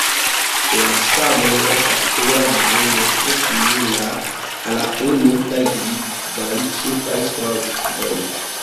La sablo estas ora bruno, tre simila al la plej multaj gvidaj ĉefaj strandoj.